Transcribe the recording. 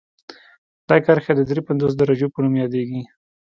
دا کرښه د دري پنځوس درجو په نوم یادیږي